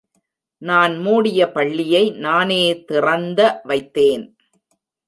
நான் மூடிய பள்ளியை நானே திறந்த வைத்தேன்.